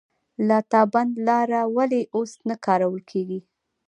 لاتابند لاره ولې اوس نه کارول کیږي؟